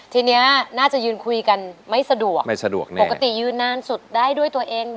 ทีเนี้ยน่าจะยืนคุยกันไม่สะดวกไม่สะดวกนะปกติยืนนานสุดได้ด้วยตัวเอง